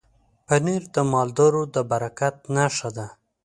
پنېر د مالدارو د برکت نښه ده.